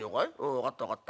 分かった分かった。